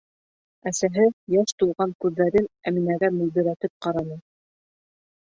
Әсәһе йәш тулған күҙҙәрен Әминәгә мөлдөрәтеп ҡараны: